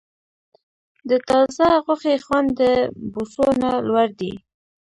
د تازه غوښې خوند د بوسو نه لوړ دی.